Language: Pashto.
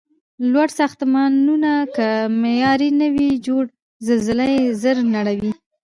لوړ ساختمونه که معیاري نه وي جوړ، زلزله یې زر نړوي.